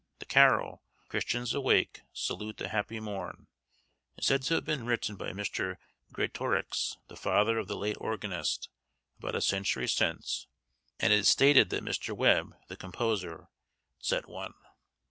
The carol, 'Christians awake, salute the happy morn,' is said to have been written by Mr. Greatorex, the father of the late organist, about a century since, and it is stated that Mr. Webbe, the composer, set one.